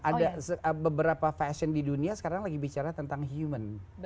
ada beberapa fashion di dunia sekarang lagi bicara tentang human